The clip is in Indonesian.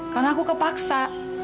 karena aku kepaksa